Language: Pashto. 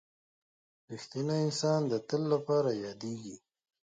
• رښتینی انسان د تل لپاره یادېږي.